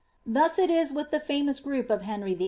Thus it is with the iuDon group of Henry VIII.